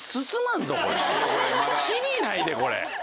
切りないでこれ。